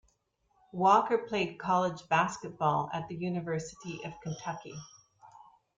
Walker played college basketball at the University of Kentucky.